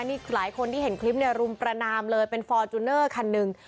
นี่หลายคนที่เห็นคลิปเนี่ยรุมประนามเลยเป็นฟอร์จูเนอร์คันหนึ่ง